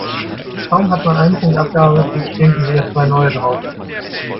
Kaum hat man einen Punkt abgearbeitet, stehen schon wieder zwei neue drauf.